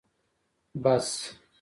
بس